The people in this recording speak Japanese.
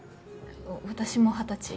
私も二十歳。